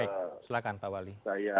baik silahkan pak wali